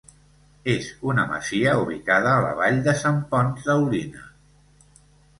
És una masia ubicada a la Vall de Sant Ponç d'Aulina.